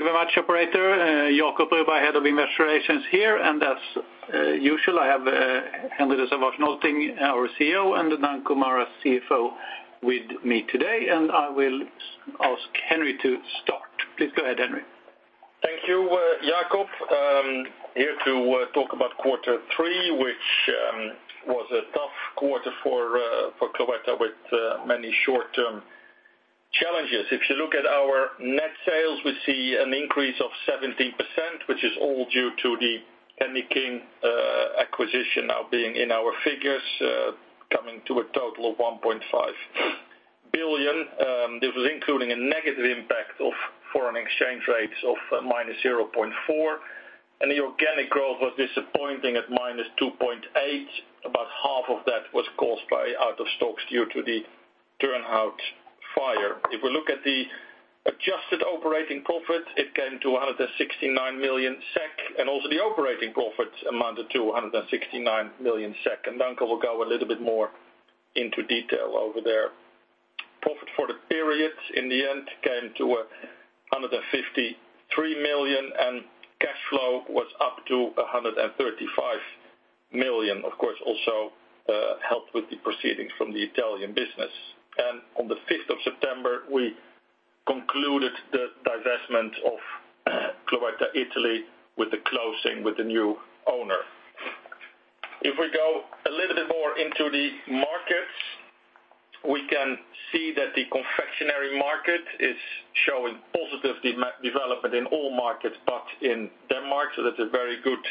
Thank you very much, Operator. Jacob Broberg, Head of Investor Relations, here, and as usual, I have Henri de Sauvage-Nolting, our CEO, and Danko Maras, CFO, with me today. I will ask Henri to start. Please go ahead, Henri. Thank you, Jacob. Here to talk about quarter three, which was a tough quarter for Cloetta with many short-term challenges. If you look at our net sales, we see an increase of 17%, which is all due to the Candyking acquisition now being in our figures, coming to a total of 1.5 billion. This was including a negative impact of foreign exchange rates of -0.4%, and the organic growth was disappointing at -2.8%. About half of that was caused by out-of-stocks due to the Turnhout fire. If we look at the adjusted operating profit, it came to 169 million SEK, and also the operating profit amounted to 169 million SEK. Danko will go a little bit more into detail over there. Profit for the period, in the end, came to 153 million, and cash flow was up to 135 million, of course, also helped with the proceeds from the Italian business. On the 5th of September, we concluded the divestment of Cloetta Italy with the closing with a new owner. If we go a little bit more into the markets, we can see that the confectionery market is showing positive demand development in all markets but in Denmark, so that's a very good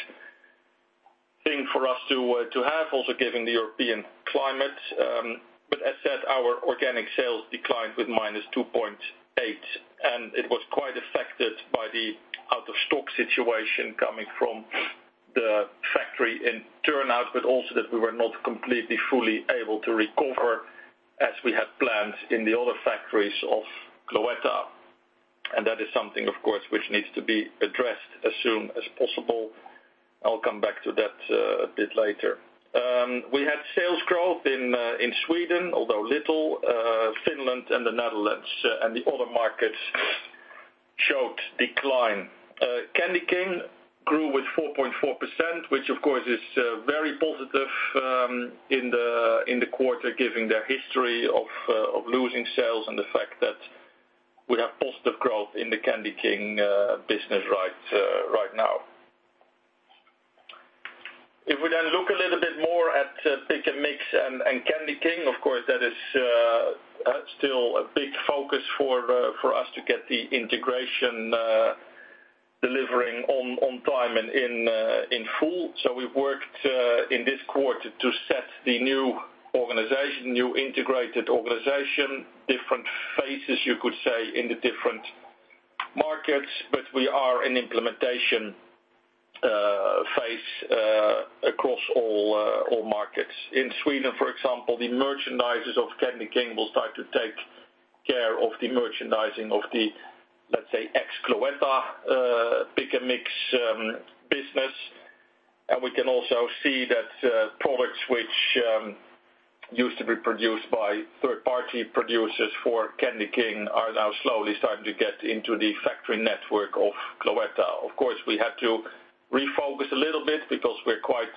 thing for us to have, also given the European climate. But as said, our organic sales declined -2.8%, and it was quite affected by the out-of-stock situation coming from the factory in Turnhout, but also that we were not completely fully able to recover as we had planned in the other factories of Cloetta. That is something, of course, which needs to be addressed as soon as possible. I'll come back to that, a bit later. We had sales growth in Sweden, although little. Finland and the Netherlands, and the other markets showed decline. Candyking grew with 4.4%, which, of course, is very positive in the quarter, given their history of losing sales and the fact that we have positive growth in the Candyking business right now. If we then look a little bit more at Pick & Mix and Candyking, of course, that is still a big focus for us to get the integration delivering on time and in full. So we've worked in this quarter to set the new organization, new integrated organization, different phases, you could say, in the different markets, but we are in implementation phase across all markets. In Sweden, for example, the merchandisers of Candyking will start to take care of the merchandising of the, let's say, ex-Cloetta Pick & Mix business. We can also see that products which used to be produced by third-party producers for Candyking are now slowly starting to get into the factory network of Cloetta. Of course, we had to refocus a little bit because we're quite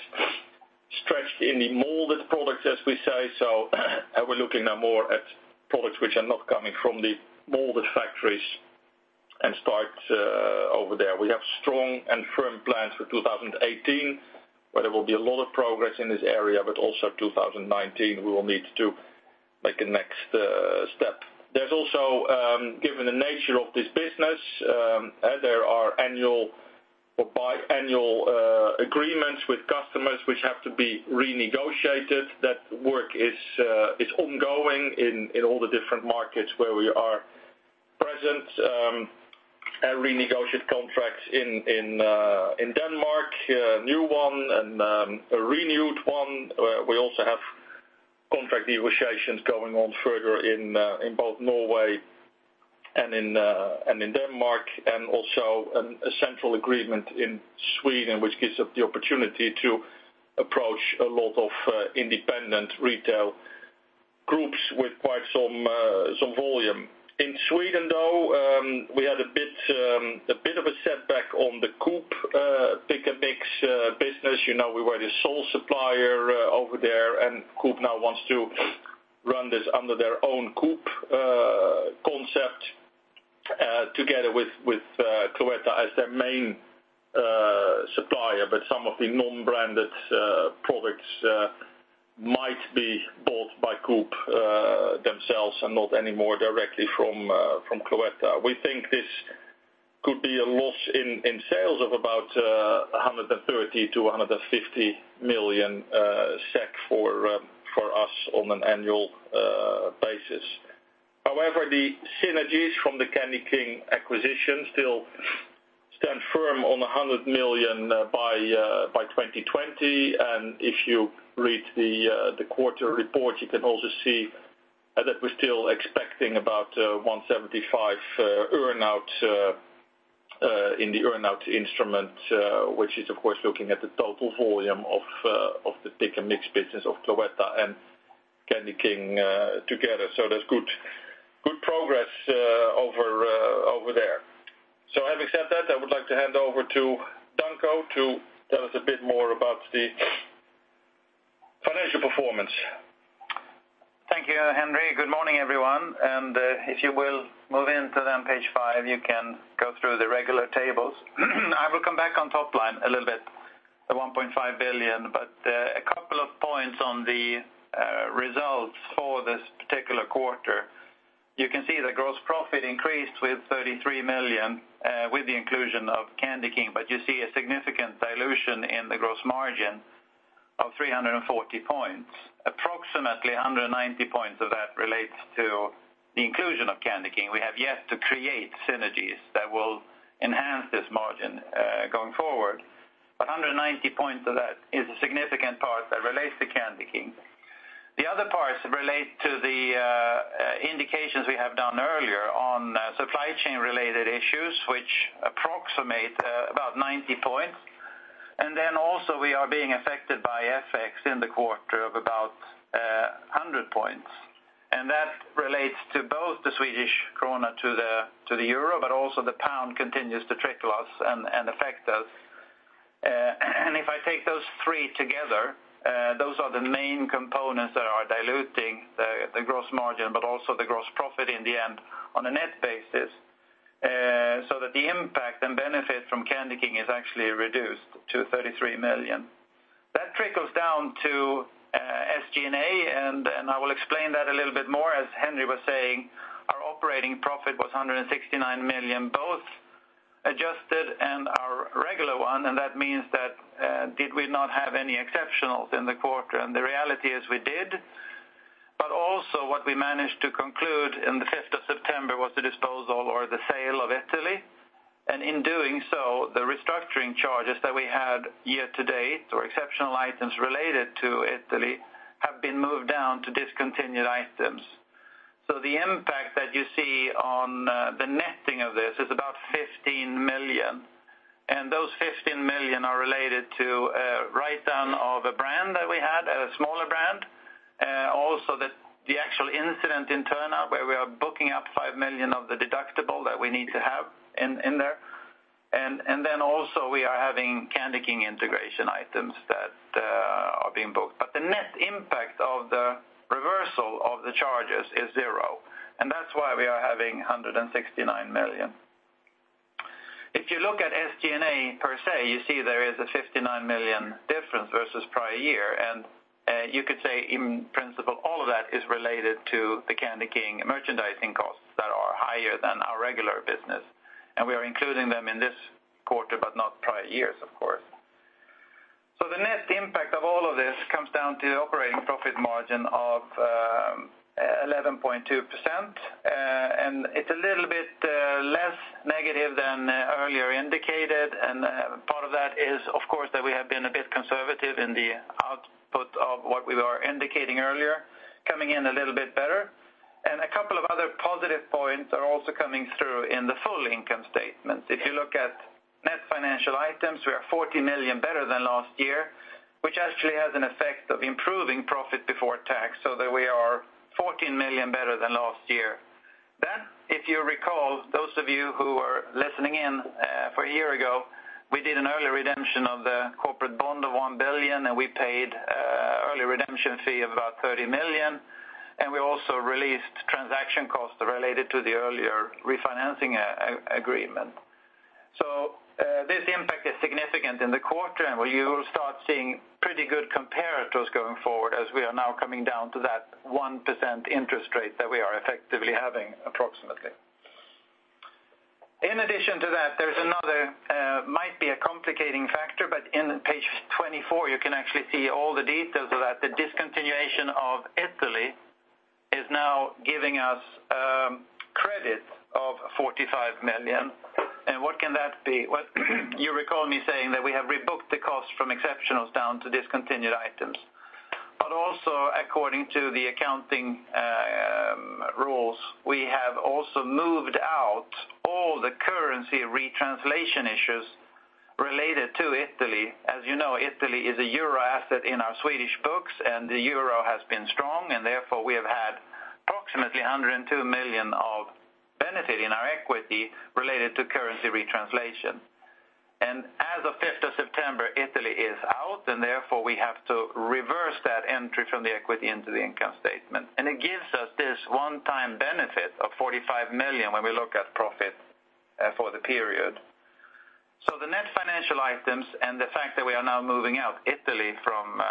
stretched in the molded products, as we say, so and we're looking now more at products which are not coming from the molded factories and start over there. We have strong and firm plans for 2018, where there will be a lot of progress in this area, but also 2019, we will need to make the next step. There's also, given the nature of this business, there are annual or bi-annual agreements with customers which have to be renegotiated. That work is ongoing in all the different markets where we are present. Renegotiate contracts in Denmark, new one and a renewed one. We also have contract negotiations going on further in both Norway and in Denmark, and also a central agreement in Sweden, which gives us the opportunity to approach a lot of independent retail groups with quite some volume. In Sweden, though, we had a bit of a setback on the Coop Pick & Mix business. You know, we were the sole supplier over there, and Coop now wants to run this under their own Coop concept, together with Cloetta as their main supplier, but some of the non-branded products might be bought by Coop themselves and not anymore directly from Cloetta. We think this could be a loss in sales of about 130 million-150 million SEK for us on an annual basis. However, the synergies from the Candyking acquisition still stand firm on 100 million by 2020. And if you read the quarter report, you can also see that we're still expecting about 175 million earnout in the earnout instrument, which is, of course, looking at the total volume of the Pick & Mix business of Cloetta and Candyking together. So having said that, I would like to hand over to Danko to tell us a bit more about the financial performance. Thank you, Henri. Good morning, everyone. If you will move into then page five, you can go through the regular tables. I will come back on top line a little bit, 1.5 billion, but a couple of points on the results for this particular quarter. You can see the gross profit increased with 33 million, with the inclusion of Candyking, but you see a significant dilution in the gross margin of 340 points. Approximately 190 points of that relates to the inclusion of Candyking. We have yet to create synergies that will enhance this margin, going forward. But 190 points of that is a significant part that relates to Candyking. The other parts relate to the indications we have done earlier on, supply chain-related issues, which approximate about 90 points. Then also, we are being affected by FX in the quarter of about 100 points. That relates to both the Swedish krona to the euro, but also the pound continues to trickle us and affect us. If I take those three together, those are the main components that are diluting the gross margin, but also the gross profit in the end on a net basis, so that the impact and benefit from Candyking is actually reduced to 33 million. That trickles down to SG&A, and I will explain that a little bit more. As Henri was saying, our operating profit was 169 million, both adjusted and our regular one, and that means that, did we not have any exceptionals in the quarter? The reality is we did, but also what we managed to conclude on the 5th of September was the disposal or the sale of Italy. In doing so, the restructuring charges that we had year to date or exceptional items related to Italy have been moved down to discontinued items. So the impact that you see on the netting of this is about 15 million. And those 15 million are related to write-down of a brand that we had, a smaller brand, also that the actual incident in Turnhout where we are booking up 5 million of the deductible that we need to have in there. And then also, we are having Candyking integration items that are being booked. But the net impact of the reversal of the charges is zero, and that's why we are having 169 million. If you look at SG&A per se, you see there is a 59 million difference versus prior year, and, you could say, in principle, all of that is related to the Candyking merchandising costs that are higher than our regular business, and we are including them in this quarter but not prior years, of course. So the net impact of all of this comes down to the operating profit margin of 11.2%, and it's a little bit, less negative than, earlier indicated. And, part of that is, of course, that we have been a bit conservative in the output of what we were indicating earlier, coming in a little bit better. And a couple of other positive points are also coming through in the full income statements. If you look at net financial items, we are 40 million better than last year, which actually has an effect of improving profit before tax so that we are 14 million better than last year. Then, if you recall, those of you who were listening in, a year ago, we did an early redemption of the corporate bond of 1 billion, and we paid early redemption fee of about 30 million. And we also released transaction costs related to the earlier refinancing agreement. So, this impact is significant in the quarter, and well, you will start seeing pretty good comparators going forward as we are now coming down to that 1% interest rate that we are effectively having, approximately. In addition to that, there's another, might be a complicating factor, but in page 24, you can actually see all the details of that. The discontinuation of Italy is now giving us credit of 45 million. What can that be? As you recall me saying that we have rebooked the cost from exceptionals down to discontinued items. But also, according to the accounting rules, we have also moved out all the currency retranslation issues related to Italy. As you know, Italy is a euro asset in our Swedish books, and the euro has been strong, and therefore, we have had approximately 102 million of benefit in our equity related to currency retranslation. As of 5th of September, Italy is out, and therefore, we have to reverse that entry from the equity into the income statement. It gives us this one-time benefit of 45 million when we look at profit for the period. So the net financial items and the fact that we are now moving out Italy from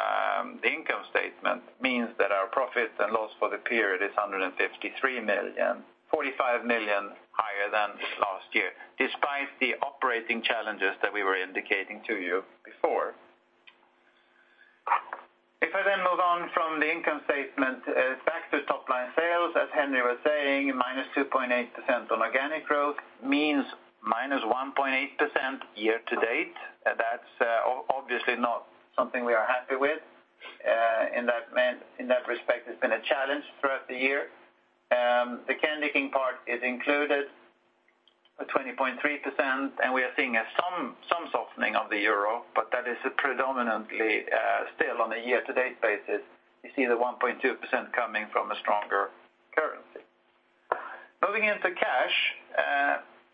the income statement means that our profit and loss for the period is 153 million, 45 million higher than last year, despite the operating challenges that we were indicating to you before. If I then move on from the income statement, back to top line sales, as Henrik was saying, minus 2.8% on organic growth means minus 1.8% year-to-date. That's obviously not something we are happy with, in that man in that respect. It's been a challenge throughout the year. The Candyking part is included with 20.3%, and we are seeing some softening of the euro, but that is predominantly still on a year-to-date basis. You see the 1.2% coming from a stronger currency. Moving into cash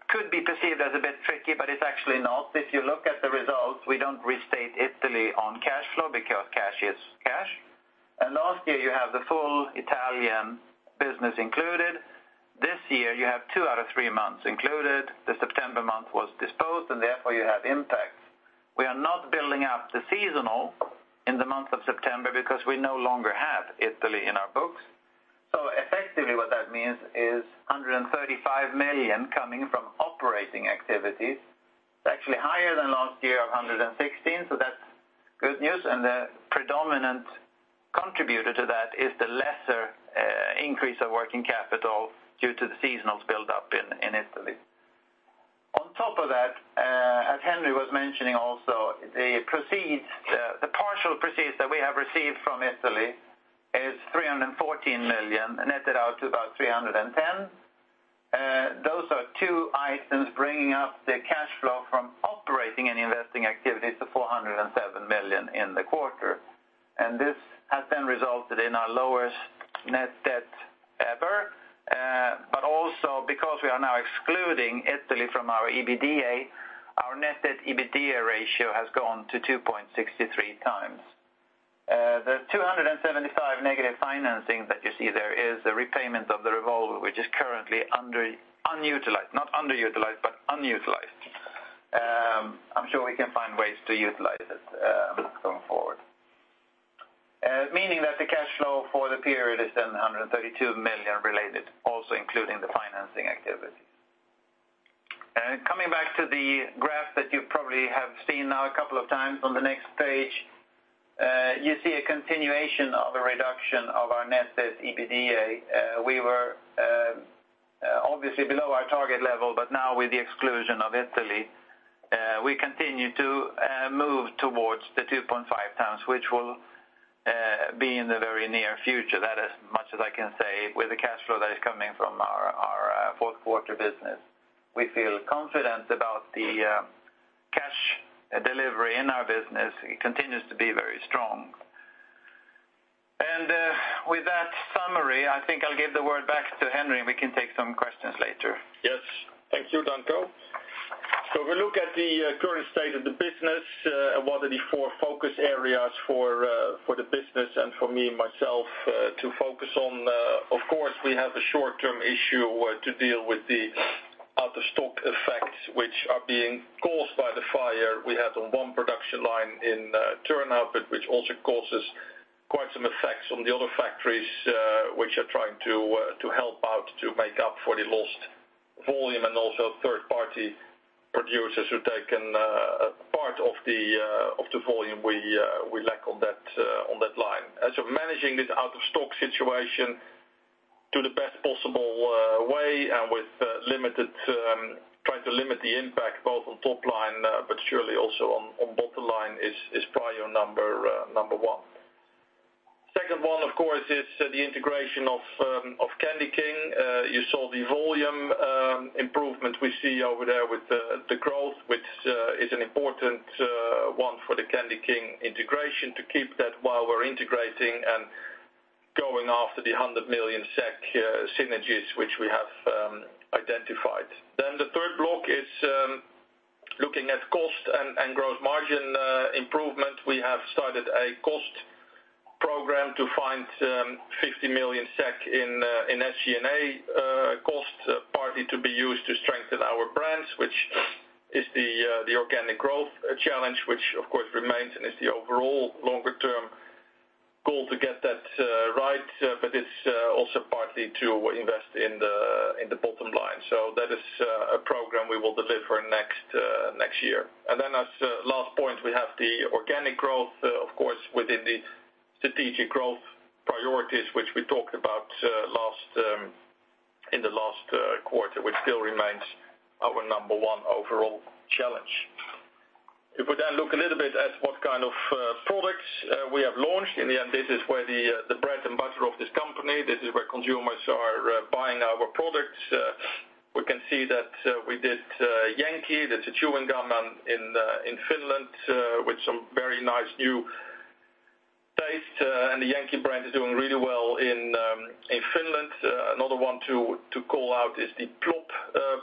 could be perceived as a bit tricky, but it's actually not. If you look at the results, we don't restate Italy on cash flow because cash is cash. Last year, you have the full Italian business included. This year, you have two out of three months included. The September month was disposed, and therefore, you have impact. We are not building up the seasonal in the month of September because we no longer have Italy in our books. So effectively, what that means is 135 million coming from operating activities. It's actually higher than last year of 116 million, so that's good news. And the predominant contributor to that is the lesser increase of working capital due to the seasonals buildup in Italy. On top of that, as Henrik was mentioning also, the proceeds, the partial proceeds that we have received from Italy is 314 million, netted out to about 310 million. Those are two items bringing up the cash flow from operating and investing activities to 407 million in the quarter. This has then resulted in our lowest net debt ever, but also because we are now excluding Italy from our EBITDA, our net debt EBITDA ratio has gone to 2.63 times. The -275 million financing that you see there is the repayment of the revolver, which is currently under-unutilized, not underutilized, but unutilized. I'm sure we can find ways to utilize it, going forward, meaning that the cash flow for the period is then 132 million related, also including the financing activity. Coming back to the graph that you probably have seen now a couple of times on the next page, you see a continuation of a reduction of our net debt EBITDA. We were, obviously, below our target level, but now with the exclusion of Italy, we continue to move towards the 2.5 times, which will be in the very near future. That is much as I can say with the cash flow that is coming from our fourth-quarter business. We feel confident about the cash delivery in our business. It continues to be very strong. And, with that summary, I think I'll give the word back to Henrik. We can take some questions later. Yes. Thank you, Danko. So if we look at the current state of the business, what are the four focus areas for the business and for me myself to focus on? Of course, we have a short-term issue to deal with the out-of-stock effects, which are being caused by the fire we had on one production line in Turnhout, but which also causes quite some effects on the other factories, which are trying to help out to make up for the lost volume and also third-party producers who've taken part of the volume we lack on that line. And so managing this out-of-stock situation to the best possible way and with limited trying to limit the impact both on top line, but surely also on bottom line is prior number one. Second one, of course, is the integration of Candyking. You saw the volume improvement we see over there with the growth, which is an important one for the Candyking integration to keep that while we're integrating and going after the 100 million SEK synergies, which we have identified. Then the third block is looking at cost and gross margin improvement. We have started a cost program to find 50 million SEK in SG&A cost, partly to be used to strengthen our brands, which is the organic growth challenge, which, of course, remains and is the overall longer-term goal to get that right, but it's also partly to invest in the bottom line. So that is a program we will deliver next year. And then, as a last point, we have the organic growth, of course, within the strategic growth priorities, which we talked about last quarter, which still remains our number one overall challenge. If we then look a little bit at what kind of products we have launched, in the end, this is where the bread and butter of this company. This is where consumers are buying our products. We can see that we did Jenkki. That's a chewing gum in Finland, with some very nice new taste. And the Jenkki brand is doing really well in Finland. Another one to call out is the Plopp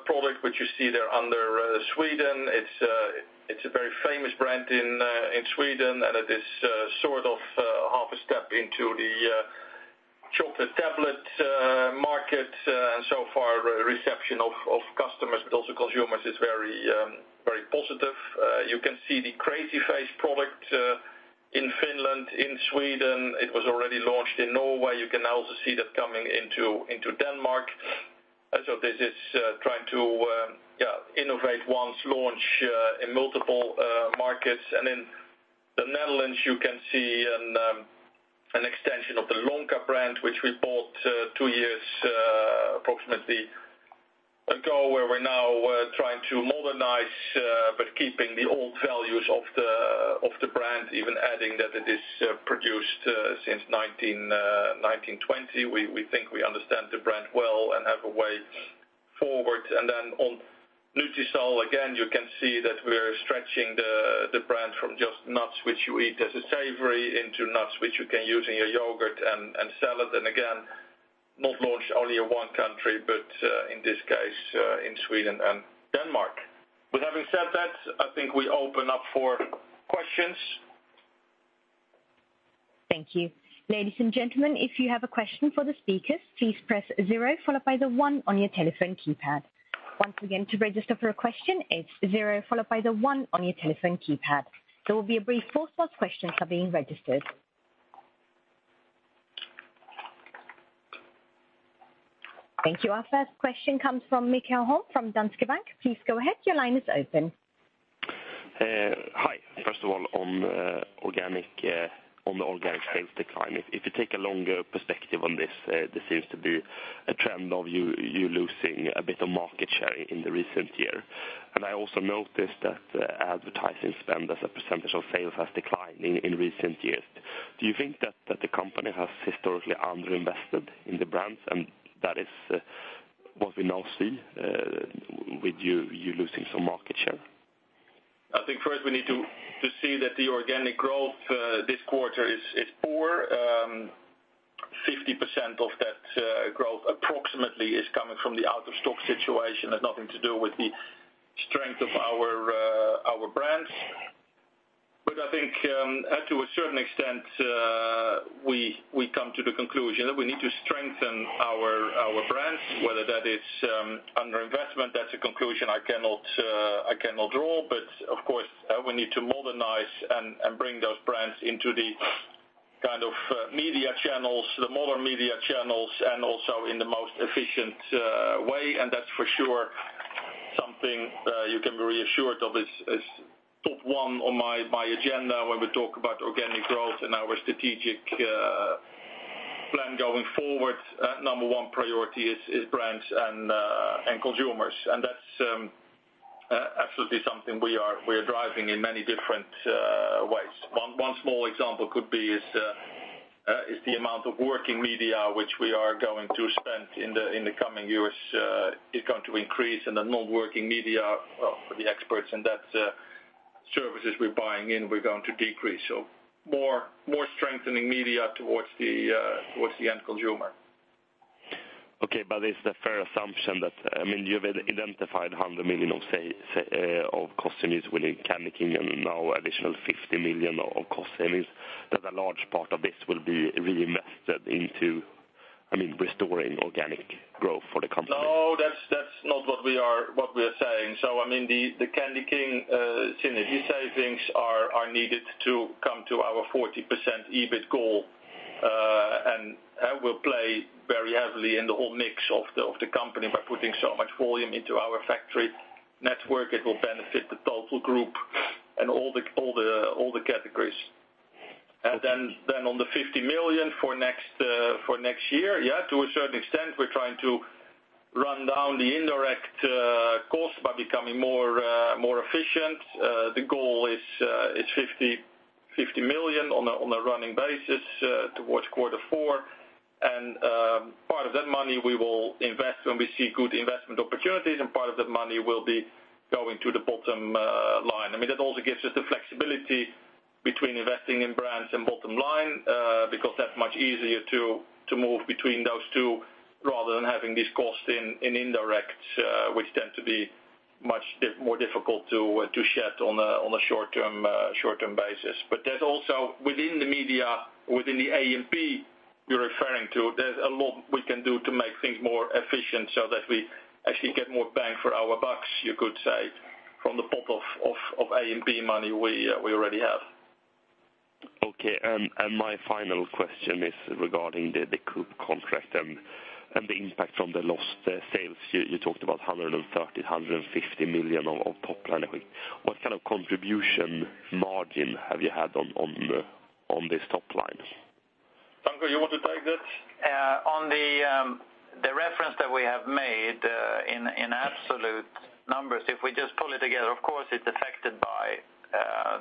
product, which you see there under Sweden. It's a very famous brand in Sweden, and it is sort of half a step into the chocolate tablet market. And so far, reception of customers, but also consumers, is very, very positive. You can see the Crazy Face product in Finland, in Sweden. It was already launched in Norway. You can also see that coming into Denmark. And so this is trying to, yeah, innovate once, launch in multiple markets. And in the Netherlands, you can see an extension of the Lonka brand, which we bought approximately 2 years ago, where we're now trying to modernize, but keeping the old values of the brand, even adding that it is produced since 1920. We think we understand the brand well and have a way forward. And then on Nutisal, again, you can see that we're stretching the brand from just nuts, which you eat as a savory, into nuts, which you can use in your yogurt and salad. Again, not launched only in one country, but, in this case, in Sweden and Denmark. With having said that, I think we open up for questions. Thank you. Ladies and gentlemen, if you have a question for the speakers, please press 0 followed by the 1 on your telephone keypad. Once again, to register for a question, it's 0 followed by the 1 on your telephone keypad. There will be a brief pause while questions that are being registered. Thank you. Our first question comes from Mikael Holm from Danske Bank. Please go ahead. Your line is open. Hi. First of all, on the organic sales decline. If you take a longer perspective on this, there seems to be a trend of you losing a bit of market share in the recent year. And I also noticed that advertising spend as a percentage of sales has declined in recent years. Do you think that the company has historically underinvested in the brands, and that is what we now see, with you losing some market share? I think first, we need to see that the organic growth this quarter is poor. 50% of that growth approximately is coming from the out-of-stock situation. It has nothing to do with the strength of our brands. But I think, to a certain extent, we come to the conclusion that we need to strengthen our brands, whether that is underinvestment. That's a conclusion I cannot draw. But of course, we need to modernize and bring those brands into the kind of media channels, the modern media channels, and also in the most efficient way. And that's for sure something you can be reassured of. It's top one on my agenda when we talk about organic growth and our strategic plan going forward. Number one priority is brands and consumers. And that's absolutely something we are driving in many different ways. One small example could be the amount of working media, which we are going to spend in the coming years, is going to increase. And the non-working media, well, for the experts in that, services we're buying in, we're going to decrease. So more strengthening media towards the end consumer. Okay. But is the fair assumption that, I mean, you have identified 100 million of savings of cost savings within Candyking and now additional 50 million of cost savings that a large part of this will be reinvested into, I mean, restoring organic growth for the company? No, that's not what we are saying. So, I mean, the Candyking synergy savings are needed to come to our 40% EBIT goal, and will play very heavily in the whole mix of the company by putting so much volume into our factory network. It will benefit the total group and all the categories. And then on the 50 million for next year, yeah, to a certain extent, we're trying to run down the indirect cost by becoming more efficient. The goal is 50 million on a running basis, towards quarter four. And part of that money, we will invest when we see good investment opportunities, and part of that money will be going to the bottom line. I mean, that also gives us the flexibility between investing in brands and bottom line, because that's much easier to move between those two rather than having these costs in indirect, which tend to be much more difficult to shed on a short-term basis. But there's also within the media, within the A&P you're referring to, there's a lot we can do to make things more efficient so that we actually get more bang for our bucks, you could say, from the pot of A&P money we already have. Okay. And my final question is regarding the Coop contract and the impact from the lost sales. You talked about 130 million-150 million of Topline Equity. What kind of contribution margin have you had on this Topline? Danko, you want to take that? On the reference that we have made, in absolute numbers, if we just pull it together, of course, it's affected by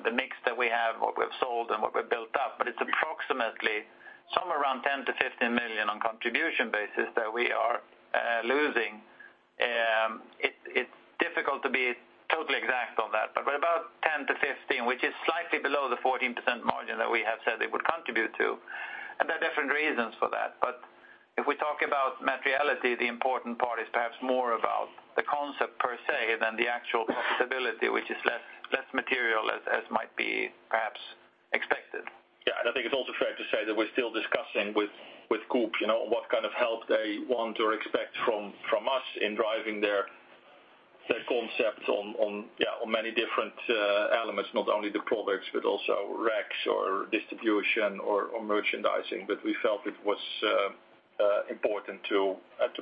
the mix that we have, what we've sold, and what we've built up. But it's approximately somewhere around 10 million-15 million on a contribution basis that we are losing. It's difficult to be totally exact on that. But we're about 10-15, which is slightly below the 14% margin that we have said it would contribute to. And there are different reasons for that. But if we talk about materiality, the important part is perhaps more about the concept per se than the actual profitability, which is less material as might be perhaps expected. Yeah. And I think it's also fair to say that we're still discussing with Coop, you know, what kind of help they want or expect from us in driving their concept on many different elements, not only the products, but also racks or distribution or merchandising. But we felt it was important to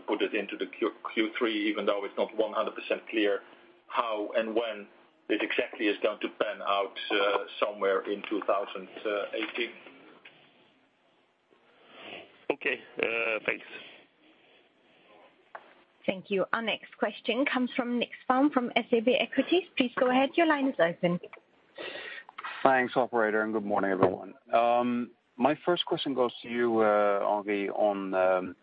put it into the Q3, even though it's not 100% clear how and when it exactly is going to pan out, somewhere in 2018. Okay. thanks. Thank you. Our next question comes from Nicklas Fhärm from SEB Equities. Please go ahead. Your line is open. Thanks, operator, and good morning, everyone. My first question goes to you, Henri, on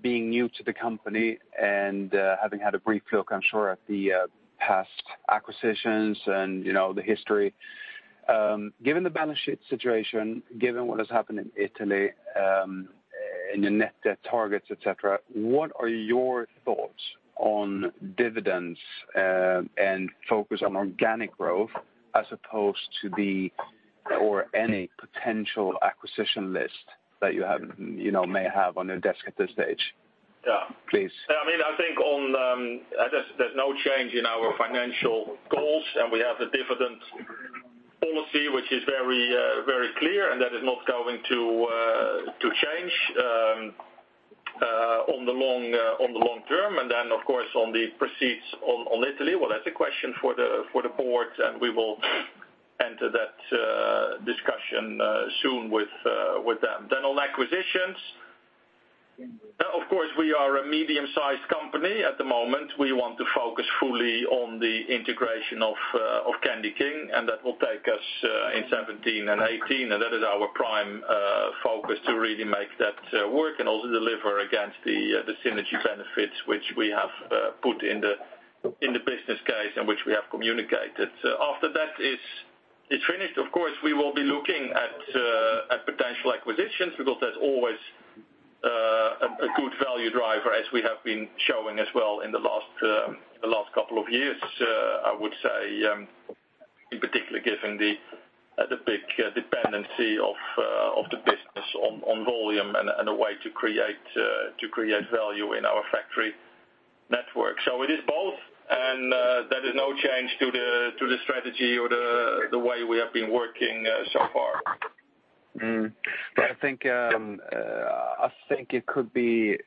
being new to the company and, having had a brief look, I'm sure, at the past acquisitions and, you know, the history. Given the balance sheet situation, given what has happened in Italy, and your net debt targets, etc., what are your thoughts on dividends and focus on organic growth as opposed to the or any potential acquisition list that you have, you know, may have on your desk at this stage? Yeah. Please. Yeah. I mean, I think on, there's no change in our financial goals, and we have a dividend policy, which is very, very clear, and that is not going to change on the long term. And then, of course, on the proceeds on Italy, well, that's a question for the board, and we will enter that discussion soon with them. Then on acquisitions, of course, we are a medium-sized company at the moment. We want to focus fully on the integration of Candyking, and that will take us in 2017 and 2018. And that is our prime focus to really make that work and also deliver against the synergy benefits, which we have put in the business case and which we have communicated. After that is finished, of course, we will be looking at potential acquisitions because that's always a good value driver, as we have been showing as well in the last couple of years, I would say, in particular given the big dependency of the business on volume and a way to create value in our factory network. So it is both and, there is no change to the strategy or the way we have been working so far. But I think, I think it could be,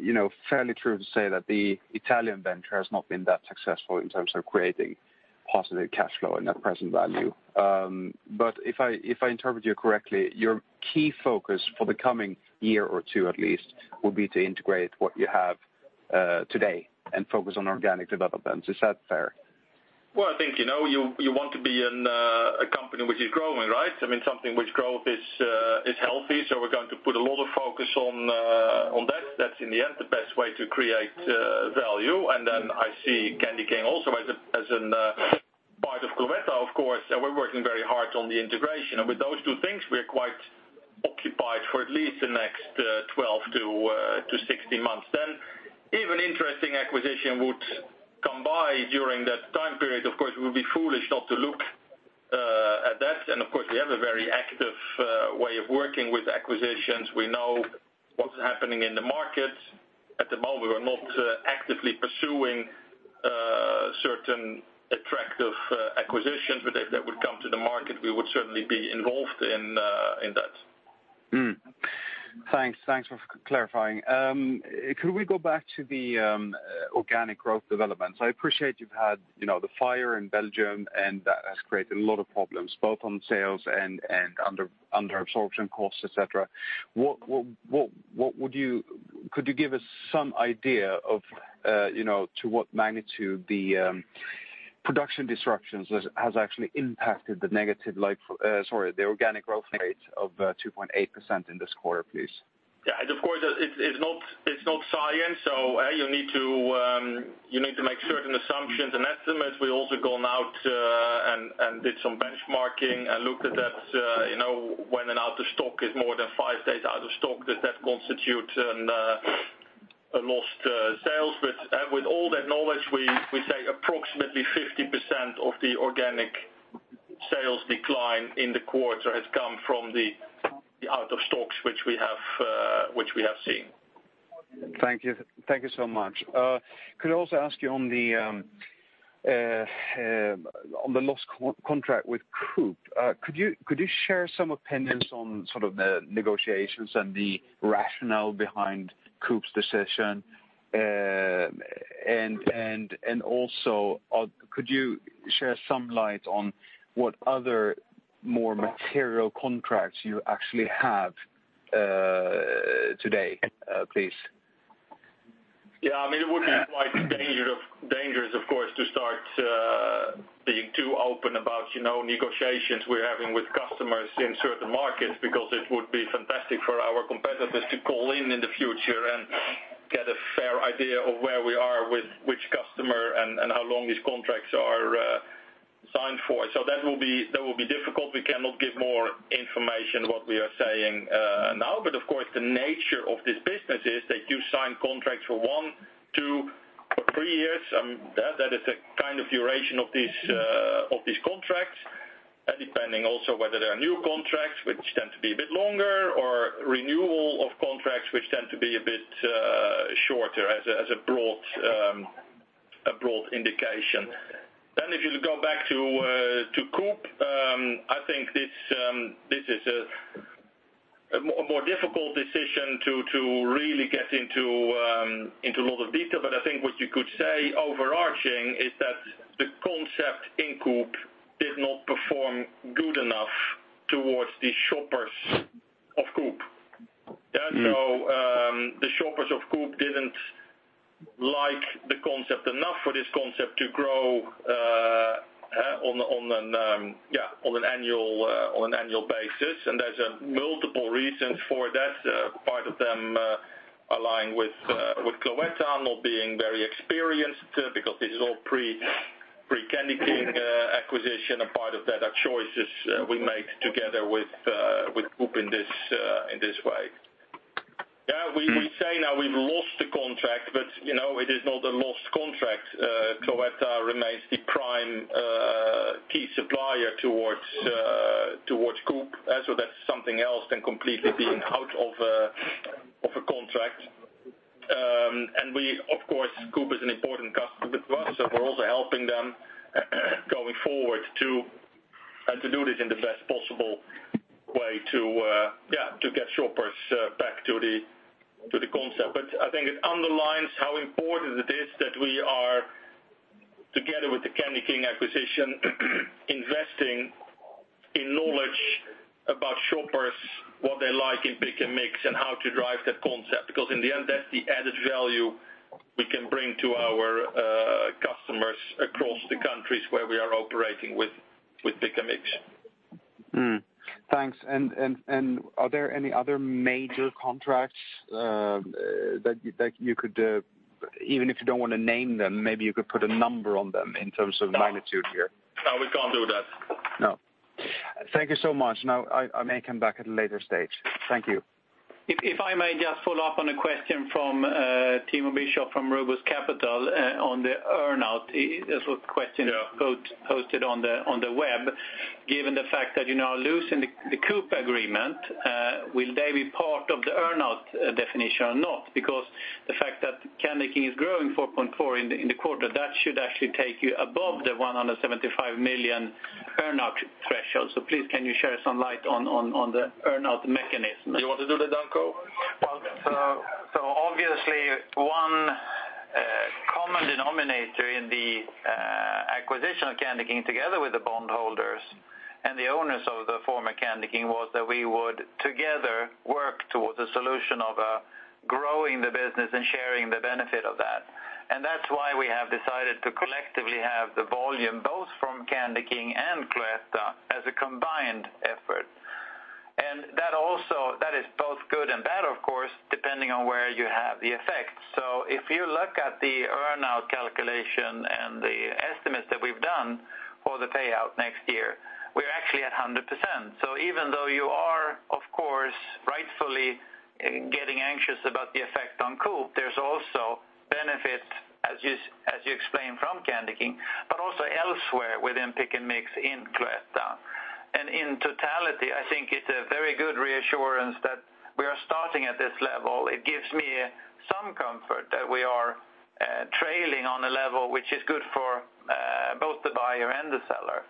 you know, fairly true to say that the Italian venture has not been that successful in terms of creating positive cash flow and net present value. But if I if I interpret you correctly, your key focus for the coming year or two, at least, would be to integrate what you have, today and focus on organic development. Is that fair? Well, I think, you know, you want to be in a company which is growing, right? I mean, something which growth is healthy. So we're going to put a lot of focus on that. That's, in the end, the best way to create value. And then I see Candyking also as an part of Cloetta, of course. And we're working very hard on the integration. And with those two things, we are quite occupied for at least the next 12 to 16 months. Then even interesting acquisition would come by during that time period. Of course, it would be foolish not to look at that. And of course, we have a very active way of working with acquisitions. We know what's happening in the market. At the moment, we're not actively pursuing certain attractive acquisitions. But if that would come to the market, we would certainly be involved in that. Thanks. Thanks for clarifying. Could we go back to the organic growth developments? I appreciate you've had, you know, the fire in Belgium, and that has created a lot of problems, both on sales and, and under, under absorption costs, etc. What, what, what, what would you could you give us some idea of, you know, to what magnitude the production disruptions has actually impacted the negative life sorry, the organic growth rate of 2.8% in this quarter, please? Yeah. And of course, it's not science. So, you need to make certain assumptions and estimates. We also did some benchmarking and looked at that, you know, when an out-of-stock is more than five days out of stock, does that constitute a lost sales? But with all that knowledge, we say approximately 50% of the organic sales decline in the quarter has come from the out-of-stocks, which we have seen. Thank you. Thank you so much. Could I also ask you on the lost Coop contract with Coop? Could you share some opinions on sort of the negotiations and the rationale behind Coop's decision? And also, could you shed some light on what other more material contracts you actually have today, please? Yeah. I mean, it would be quite dangerous, of course, to start being too open about, you know, negotiations we're having with customers in certain markets because it would be fantastic for our competitors to call in the future and get a fair idea of where we are with which customer and how long these contracts are signed for. So that will be difficult. We cannot give more information what we are saying now. But of course, the nature of this business is that you sign contracts for one, two, or three years. I mean, that is the kind of duration of these contracts. And depending also whether there are new contracts, which tend to be a bit longer, or renewal of contracts, which tend to be a bit shorter as a broad indication. Then if you go back to Coop, I think this is a more difficult decision to really get into a lot of detail. But I think what you could say overarching is that the concept in Coop did not perform good enough towards the shoppers of Coop. Yeah. So, the shoppers of Coop didn't like the concept enough for this concept to grow on an annual basis. And there's multiple reasons for that. Part of them align with Cloetta not being very experienced, because this is all pre-Candyking acquisition. And part of that are choices we made together with Coop in this way. Yeah. We say now we've lost the contract, but, you know, it is not a lost contract. Cloetta remains the prime, key supplier toward Coop, so that's something else than completely being out of a contract. And we, of course, Coop is an important customer to us, so we're also helping them going forward to do this in the best possible way to get shoppers back to the concept. But I think it underlines how important it is that we are, together with the Candyking acquisition, investing in knowledge about shoppers, what they like in Pick & Mix, and how to drive that concept because, in the end, that's the added value we can bring to our customers across the countries where we are operating with Pick & Mix. Thanks. And are there any other major contracts that you could, even if you don't want to name them, maybe you could put a number on them in terms of magnitude here? No, we can't do that. No. Thank you so much. Now, I may come back at a later stage. Thank you. If I may just follow up on a question from Timo Bischoff from Swedbank Robur, on the earnout. It was a question posted on the web. Given the fact that you now are losing the Coop agreement, will they be part of the earnout definition or not? Because the fact that Candyking is growing 4.4 in the quarter, that should actually take you above the 175 million earnout threshold. So please, can you share some light on the earnout mechanism? You want to do that, Danko? Well, so obviously, one common denominator in the acquisition of Candyking together with the bondholders and the owners of the former Candyking was that we would together work towards a solution of growing the business and sharing the benefit of that. And that's why we have decided to collectively have the volume both from Candyking and Cloetta as a combined effort. And that also is both good and bad, of course, depending on where you have the effect. So if you look at the earnout calculation and the estimates that we've done for the payout next year, we're actually at 100%. So even though you are, of course, rightfully, getting anxious about the effect on Coop, there's also benefit, as you explained, from Candyking but also elsewhere within Pick & Mix in Cloetta. In totality, I think it's a very good reassurance that we are starting at this level. It gives me some comfort that we are trailing on a level which is good for both the buyer and the seller.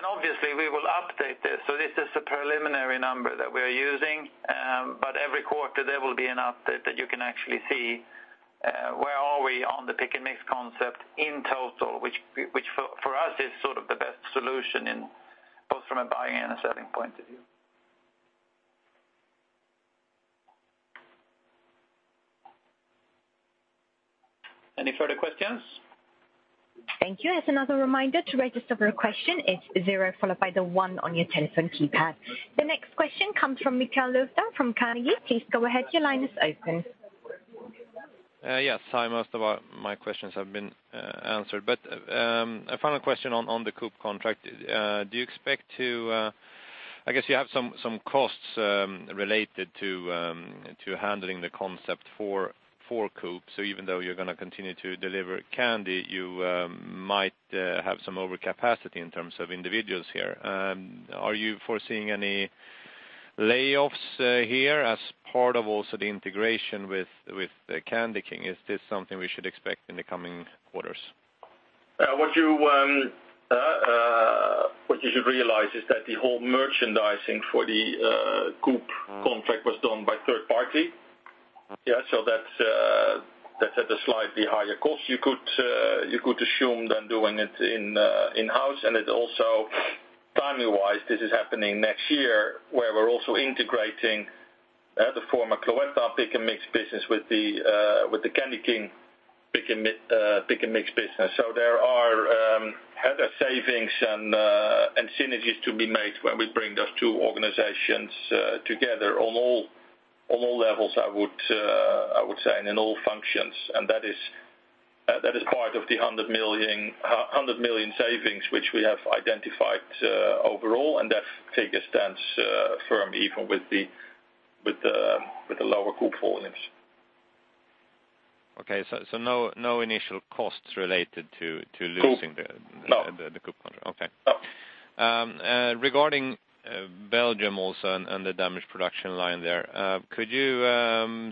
Obviously, we will update this. So this is a preliminary number that we are using, but every quarter, there will be an update that you can actually see, where are we on the Pick & Mix concept in total, which for us is sort of the best solution in both from a buying and a selling point of view. Any further questions? Thank you. As another reminder, to register for a question, it's 0 followed by the 1 on your telephone keypad. The next question comes from Mikael Laséen from Carnegie. Please go ahead. Your line is open. Yes. Hi. Most of my questions have been answered. But a final question on the Coop contract. Do you expect to—I guess you have some costs related to handling the concept for Coop. So even though you're going to continue to deliver candy, you might have some overcapacity in terms of individuals here. Are you foreseeing any layoffs here as part of also the integration with Candyking? Is this something we should expect in the coming quarters? What you, what you should realize is that the whole merchandising for the Coop contract was done by third party. Yeah. So that's, that's at a slightly higher cost you could, you could assume than doing it in-house. And it also timing-wise, this is happening next year where we're also integrating the former Cloetta Pick & Mix business with the Candyking Pick & Mix business. So there are overhead savings and synergies to be made when we bring those two organizations together on all levels, I would say, and in all functions. And that is part of the 100 million savings which we have identified overall. And that figure stands firm even with the lower Coop volumes. Okay. So no initial costs related to losing the Coop contract? No. No. Okay. Regarding Belgium also and the damaged production line there, could you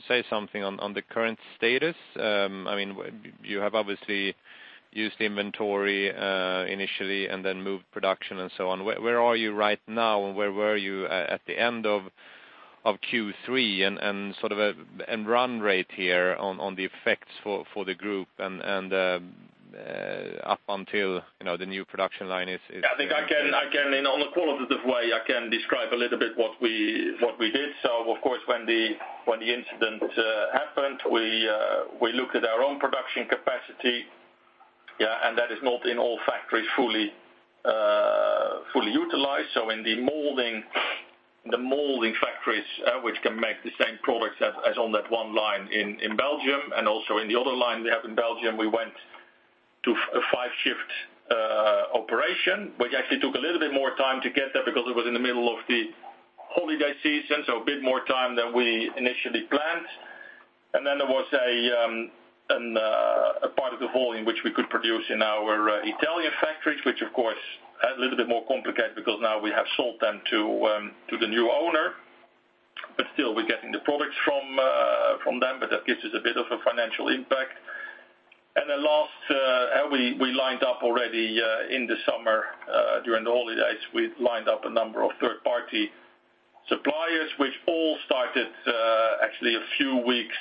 say something on the current status? I mean, you have obviously used the inventory initially and then moved production and so on. Where are you right now, and where were you at the end of Q3 and sort of a run rate here on the effects for the group and up until, you know, the new production line is? Yeah. I think I can chime in on a qualitative way. I can describe a little bit what we did. So, of course, when the incident happened, we looked at our own production capacity. Yeah. And that is not in all factories fully utilized. So in the molding factories, which can make the same products as on that one line in Belgium and also in the other line we have in Belgium, we went to a five-shift operation, which actually took a little bit more time to get there because it was in the middle of the holiday season, so a bit more time than we initially planned. And then there was an part of the volume which we could produce in our Italian factories, which, of course, are a little bit more complicated because now we have sold them to the new owner. But still, we're getting the products from them, but that gives us a bit of a financial impact. And the last, and we lined up already, in the summer, during the holidays, we lined up a number of third-party suppliers, which all started actually a few weeks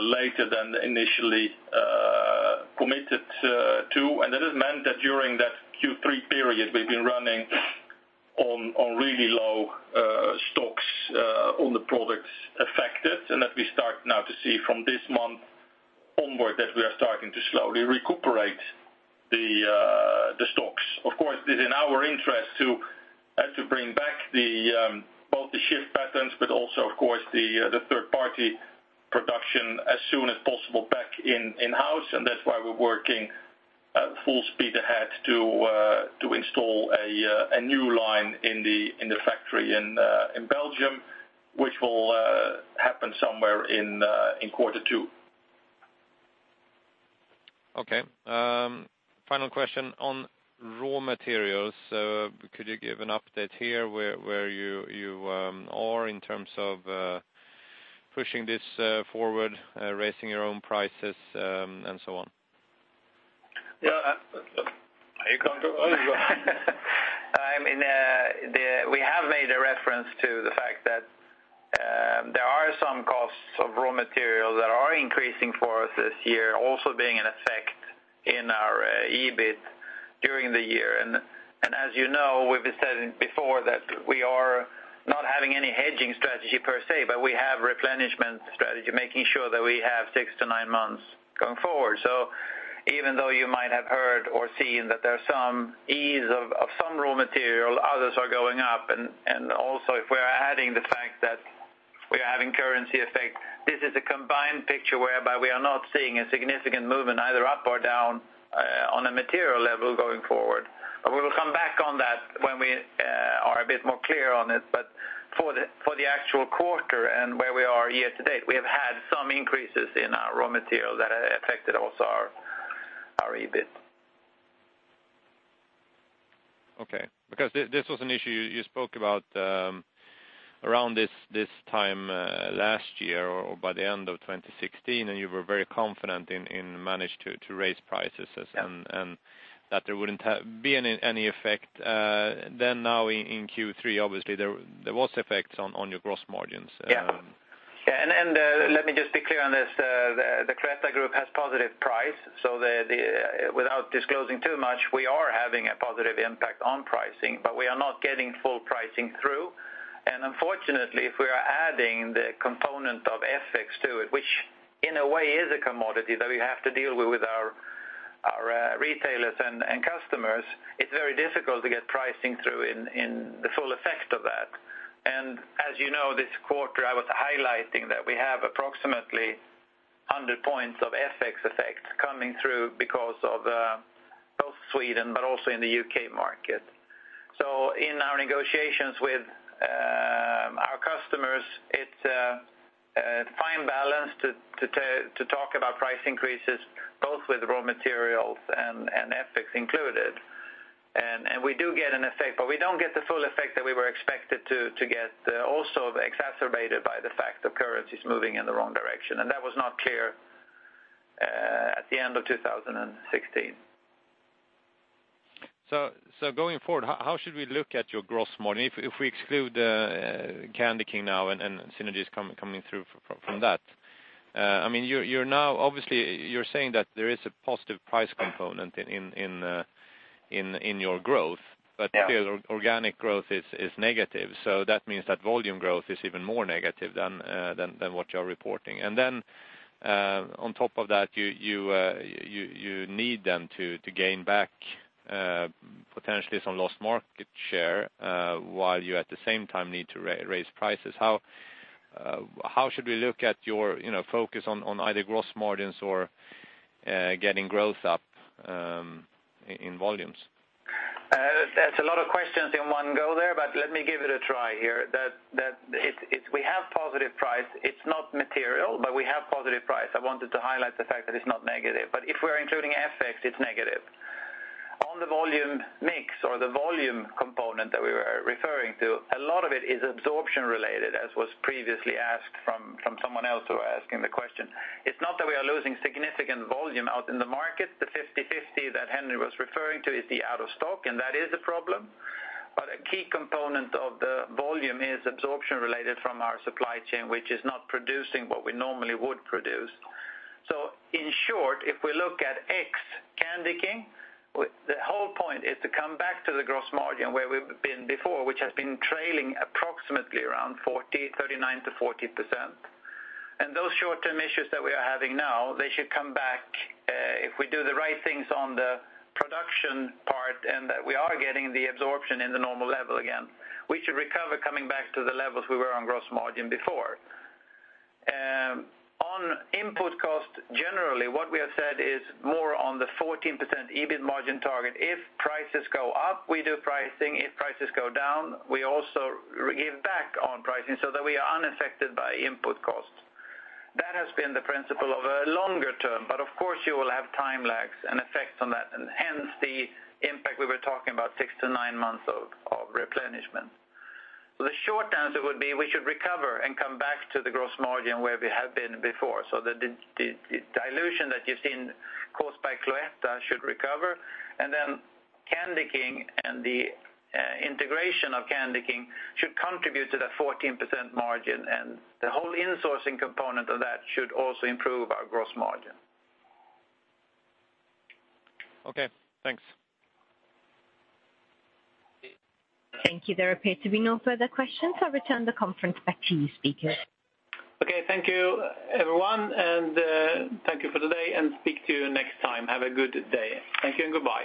later than initially committed to. And that has meant that during that Q3 period, we've been running on really low stocks on the products affected. And that we start now to see from this month onward that we are starting to slowly recuperate the stocks. Of course, it is in our interest to bring back both the shift patterns but also, of course, the third-party production as soon as possible back in-house. And that's why we're working full speed ahead to install a new line in the factory in Belgium, which will happen somewhere in quarter two. Okay. Final question on raw materials. Could you give an update here where you are in terms of pushing this forward, raising your own prices, and so on? Yeah. I can't do it. I mean, we have made a reference to the fact that there are some costs of raw materials that are increasing for us this year, also being an effect in our EBIT during the year. And as you know, we've been saying before that we are not having any hedging strategy per se, but we have replenishment strategy, making sure that we have 6-9 months going forward. So even though you might have heard or seen that there's some ease of some raw material, others are going up. And also, if we are adding the fact that we are having currency effect, this is a combined picture whereby we are not seeing a significant movement either up or down, on a material level going forward. But we will come back on that when we are a bit more clear on it. But for the actual quarter and where we are year to date, we have had some increases in our raw material that have affected also our EBIT. Okay. Because this was an issue you spoke about, around this time last year or by the end of 2016, and you were very confident in managing to raise prices and that there wouldn't be any effect. Then now in Q3, obviously, there was effects on your gross margins. Yeah. Yeah. And let me just be clear on this. The Cloetta group has positive price. So without disclosing too much, we are having a positive impact on pricing, but we are not getting full pricing through. And unfortunately, if we are adding the component of FX to it, which in a way is a commodity that we have to deal with with our retailers and customers, it's very difficult to get pricing through in the full effect of that. And as you know, this quarter, I was highlighting that we have approximately 100 points of FX effect coming through because of both Sweden but also in the UK market. So in our negotiations with our customers, it's a fine balance to talk about price increases both with raw materials and FX included. And we do get an effect, but we don't get the full effect that we were expected to get, also exacerbated by the fact of currencies moving in the wrong direction. And that was not clear at the end of 2016. So going forward, how should we look at your gross margin if we exclude Candyking now and synergies coming through from that? I mean, you're now obviously saying that there is a positive price component in your growth, but still, organic growth is negative. So that means that volume growth is even more negative than what you are reporting. And then, on top of that, you need then to gain back, potentially some lost market share, while you at the same time need to raise prices. How should we look at your, you know, focus on either gross margins or getting growth up in volumes? That's a lot of questions in one go there, but let me give it a try here. That it's we have positive price. It's not material, but we have positive price. I wanted to highlight the fact that it's not negative. But if we are including FX, it's negative. On the volume mix or the volume component that we were referring to, a lot of it is absorption-related, as was previously asked from someone else who was asking the question. It's not that we are losing significant volume out in the market. The 50/50 that Henri was referring to is the out-of-stock, and that is a problem. But a key component of the volume is absorption-related from our supply chain, which is not producing what we normally would produce. So in short, if we look at X, Candyking, the whole point is to come back to the gross margin where we've been before, which has been trailing approximately around 39%-40%. And those short-term issues that we are having now, they should come back, if we do the right things on the production part and that we are getting the absorption in the normal level again, we should recover coming back to the levels we were on gross margin before. On input cost, generally, what we have said is more on the 14% EBIT margin target. If prices go up, we do pricing. If prices go down, we also give back on pricing so that we are unaffected by input cost. That has been the principle of a longer term. But of course, you will have time lags and effects on that, and hence, the impact we were talking about, 6-9 months of replenishment. So the short answer would be we should recover and come back to the gross margin where we have been before. So the dilution that you've seen caused by Cloetta should recover. And then Candyking and the integration of Candyking should contribute to that 14% margin. And the whole insourcing component of that should also improve our gross margin. Okay. Thanks. Thank you. There appear to be no further questions. I'll return the conference back to you, speaker. Okay. Thank you, everyone. And thank you for today. And speak to you next time. Have a good day. Thank you and goodbye.